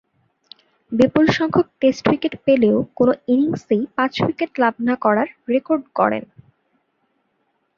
বিপুলসংখ্যক test wicket পেলেও কোন ইনিংসেই পাঁচ উইকেট লাভ না করার রেকর্ড গড়েন।